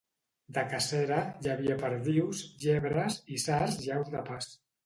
De cacera, hi havia perdius, llebres, isards i aus de pas.